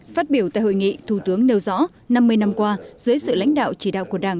phát biểu tại hội nghị thủ tướng nêu rõ năm mươi năm qua dưới sự lãnh đạo chỉ đạo của đảng